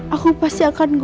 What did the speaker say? aku gak bisa nampakin raja